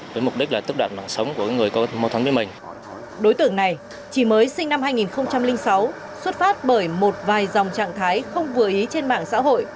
đối tượng này chỉ mới sinh năm hai nghìn sáu xuất phát bởi một vài dòng trạng thái không vừa ý trên mạng xã hội